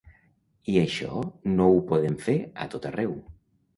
I això no ho podem fer a tot arreu.